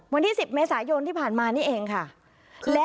วันที่๑๐เมษายนที่ผ่านมานี่เองค่ะ